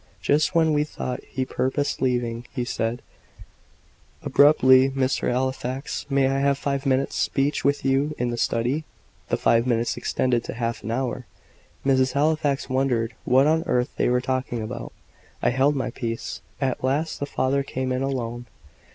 Just when we thought he purposed leaving, he said, abruptly, "Mr. Halifax, may I have five minutes' speech with you in the study?" The five minutes extended to half an hour. Mrs. Halifax wondered what on earth they were talking about. I held my peace. At last the father came in alone.